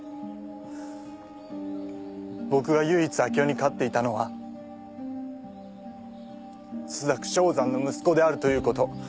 僕が唯一明生に勝っていたのは朱雀正山の息子であるということ。